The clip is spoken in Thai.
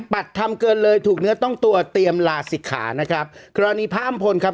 ปัดทำเกินเลยถูกเนื้อต้องตัวเตรียมลาศิกขานะครับกรณีพระอำพลครับ